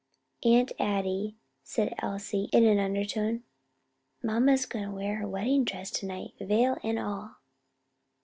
"Aunt Addie," said Elsie in an undertone, "mamma's going to wear her wedding dress to night, veil and all."